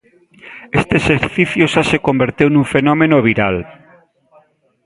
Este exercicio xa se converteu nun fenómeno viral.